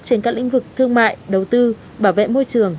trên các lĩnh vực thương mại đầu tư bảo vệ môi trường